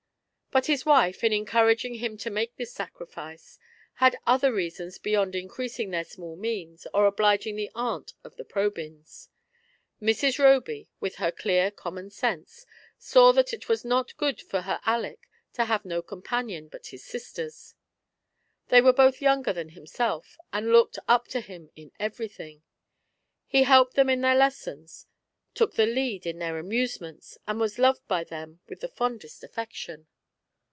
But his wife, in encouraging liiin to make tliis sacrifice, liad other reasons beyond increasing their small means, or obliging the aunt of the Probyna. Mrs. Roby, with her clear common sense, saw that it was not good for her Aleck to have no companion but hia sisters. They were both younger than himself, and looked up to him in everything. He helped them in their lessons, took the lead in their amusements, and was loved by them with the fondest affection.